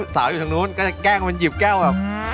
สาวอยู่ทางนู้นก็จะแกล้งมันหยิบแก้วแบบ